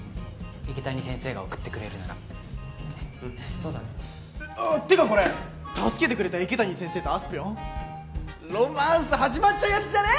池谷先生が送ってくれるならねっうんそうだねてかこれ助けてくれた池谷先生とあすぴょんロマンス始まっちゃうやつじゃね？